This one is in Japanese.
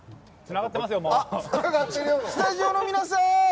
スタジオの皆さん